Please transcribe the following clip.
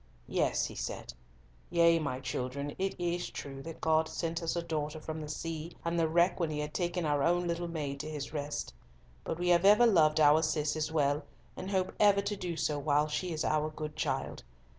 "Yes," he said, "yea, my children, it is true that God sent us a daughter from the sea and the wreck when He had taken our own little maid to His rest. But we have ever loved our Cis as well, and hope ever to do so while she is our good child.